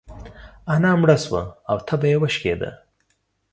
انا مړه سوه او تبه يې وشکيده.